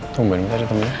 tungguin bisa ada temenin